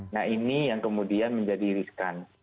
nah ini yang kemudian menjadi riskan